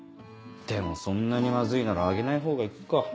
でもそんなにまずいならあげないほうがいいか。